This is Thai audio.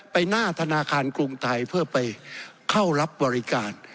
หน้าธนาคารกรุงไทยเพื่อไปเข้ารับบริการ